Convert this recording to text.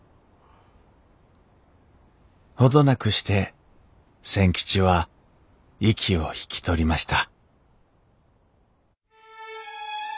程なくして千吉は息を引き取りました